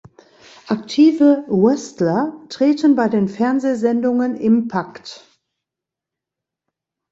Aktive Wrestler treten bei den fernsehsendungen Impact!